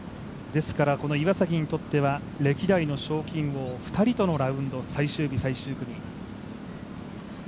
この岩崎にとっては歴代の賞金王２人とのラウンド、最終日最終組。